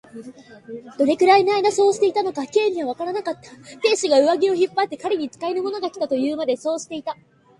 どれくらいのあいだそうしていたのか、Ｋ にはわからなかった。亭主が上衣を引っ張って、彼に使いの者がきた、というまで、そうしていた。